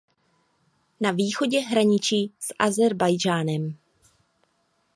Na východě hraničí s Ázerbájdžánem.